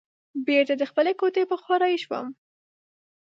بیرته د خپلې کوټې په خوا رهي شوم.